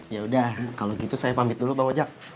yaudah kalau gitu saya pamit dulu bang ojek